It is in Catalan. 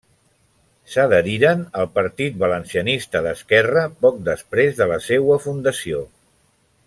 S'adheriren al Partit Valencianista d'Esquerra poc després de la seua fundació.